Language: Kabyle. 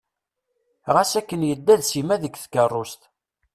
Ɣas akken yedda d Sima deg tkerrust.